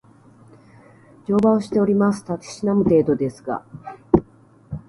乗馬をしております。たしなむ程度ですが